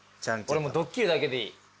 俺ドッキリだけでいい。